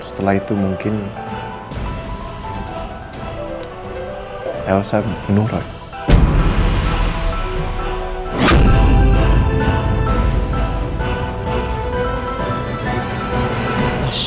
ya setelah itu mungkin elsa menurut